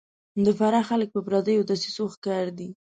د فراه خلک د پردیو دسیسو ښکار دي